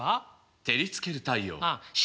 照りつける太陽。